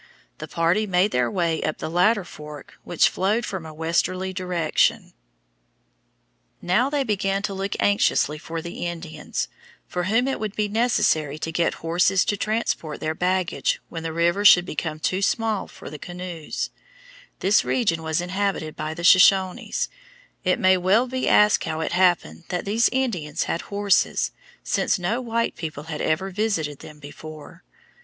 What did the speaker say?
The party made their way up the latter fork, which flowed from a westerly direction. [Footnote: FIG. 68. THE GATE OF THE MOUNTAINS The Missouri River at the entrance to the Rocky Mountains] Now they began to look anxiously for the Indians, from whom it would be necessary to get horses to transport their baggage when the river should become too small for the canoes. This region was inhabited by the Shoshones. It may well be asked how it happened that these Indians had horses, since no white people had ever visited them before.